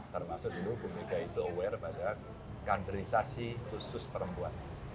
termasuk dulu bumega itu aware pada kaderisasi kursus perempuan